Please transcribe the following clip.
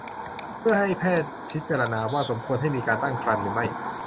เพื่อให้แพทย์พิจารณาว่าสมควรให้มีการตั้งครรภ์หรือไม่